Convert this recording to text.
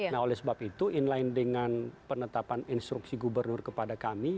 nah oleh sebab itu inline dengan penetapan instruksi gubernur kepada kami